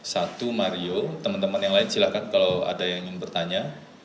satu mario teman teman yang lain silahkan kalau ada yang ingin bertanya